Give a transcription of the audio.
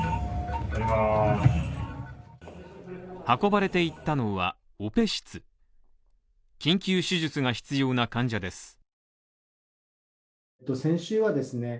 運ばれていったのは、オペ室緊急手術が必要な患者です。